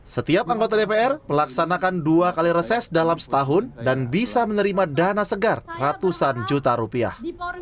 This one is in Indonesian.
setiap anggota dpr melaksanakan dua kali reses dalam setahun dan bisa menerima dana segar ratusan juta rupiah